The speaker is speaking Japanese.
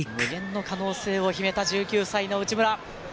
無限の可能性を秘めた１９歳の内村。